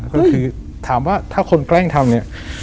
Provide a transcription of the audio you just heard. ก็คือถามว่าถ้าคนแกล้งทำเนี่ย